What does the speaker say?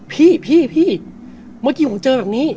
พี่พี่เมื่อกี้ผมเจอแบบนี้